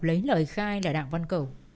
lấy lời khai là đạng văn cầu